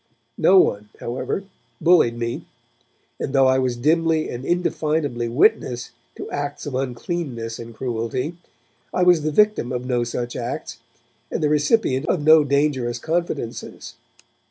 No one, however, bullied me, and though I was dimly and indefinably witness to acts of uncleanness and cruelty, I was the victim of no such acts and the recipient of no dangerous confidences.